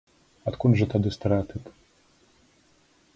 Адкуль жа тады стэрэатып?